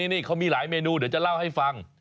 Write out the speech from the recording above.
นี่เขามีหลายเมนูเดี๋ยวจะเล่าให้ฟัง